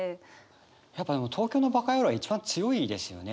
やっぱでも「東京のバカヤロー」は一番強いですよね。